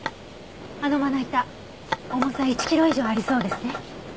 あのまな板重さ１キロ以上ありそうですね。